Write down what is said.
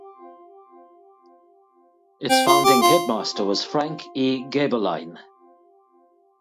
Its founding headmaster was Frank E. Gaebelein.